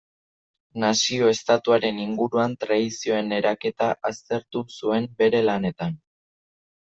Nazio-estatuaren inguruan tradizioen eraketa aztertu zuen bere lanetan.